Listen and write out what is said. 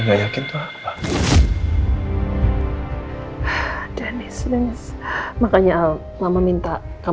maksudnya tidak yakin itu apa